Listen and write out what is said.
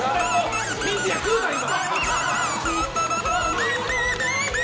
ミンティア食うな、今！